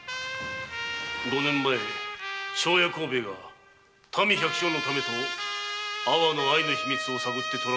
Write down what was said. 五年前庄屋・幸兵衛が民百姓のためにと阿波の藍の秘密を探って捕らわれた。